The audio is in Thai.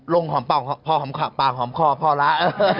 ลงหอมปลาหอมคอพอแล้ว